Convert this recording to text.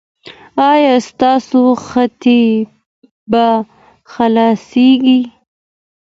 ایا ستاسو هټۍ به خلاصیږي؟